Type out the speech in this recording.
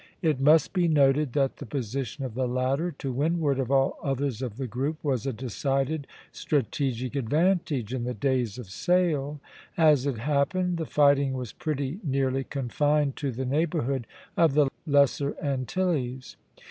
It must be noted that the position of the latter, to windward of all others of the group, was a decided strategic advantage in the days of sail. As it happened, the fighting was pretty nearly confined to the neighborhood of the Lesser Antilles.